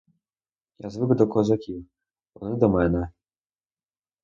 Я звик до козаків, вони до мене.